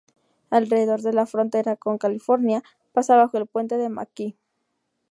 Alrededor de de la frontera con California, pasa bajo el puente de McKee.